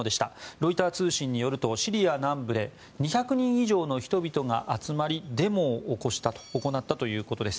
ロイター通信によるとシリア南部で２００人以上の人々が集まりデモを行ったということです。